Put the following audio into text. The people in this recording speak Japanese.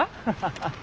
ハハハ。